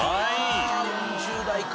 ああ４０代か。